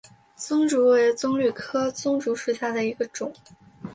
棕竹为棕榈科棕竹属下的一个种。